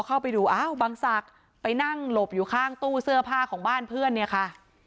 เข้าไปดูอ้าวบังศักดิ์ไปนั่งหลบอยู่ข้างตู้เสื้อผ้าของบ้านเพื่อนเนี่ยค่ะ